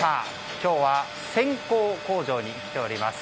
今日は線香工場に来ております。